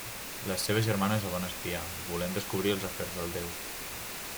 Les seves germanes el van espiar, volent descobrir els afers del déu.